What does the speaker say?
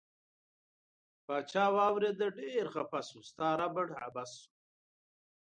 پاچا واوریده ډیر خپه شو ستا ربړ عبث شو.